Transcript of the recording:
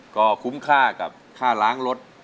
ก็คุ้มค่ากับค่าล้างรถ